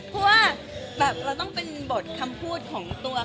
เพราะว่าแบบเราต้องเป็นบทคำพูดของตัว